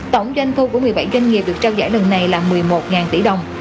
tổng doanh thu của một mươi bảy doanh nghiệp được trao giải lần này là một mươi một tỷ đồng